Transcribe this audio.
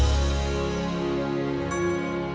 terima kasih mama